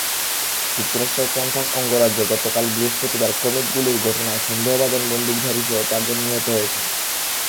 যুক্তরাষ্ট্রের ক্যানসাস অঙ্গরাজ্যে গতকাল বৃহস্পতিবার ক্রমিক গুলির ঘটনায় সন্দেহভাজন বন্দুকধারীসহ চারজন নিহত হয়েছেন।